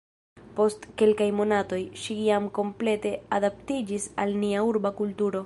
Post kelkaj monatoj, ŝi jam komplete adaptiĝis al nia urba kulturo.